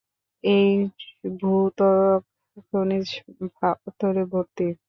এই ভূত্বক খনিজ পাথরে ভর্তি।